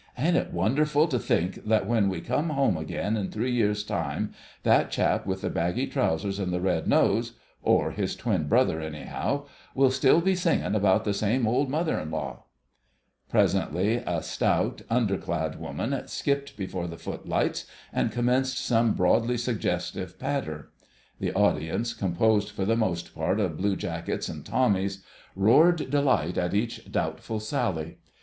"Isn't it wonderful to think that when we come home again in three years' time that chap with the baggy trousers and red nose—or his twin brother, anyhow—will still be singing about the same old mother in law!" Presently a stout, under clad woman skipped before the footlights and commenced some broadly suggestive patter. The audience, composed for the most part of blue jackets and Tommies, roared delight at each doubtful sally.